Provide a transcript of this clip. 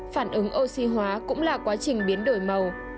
phản ứng oxy hóa cũng là quá trình biến đổi màu